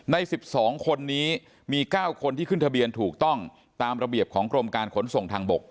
ใน๑๒คนนี้มี๙คนที่ขึ้นทะเบียนถูกต้องตามระเบียบของกรมการขนส่งทางบก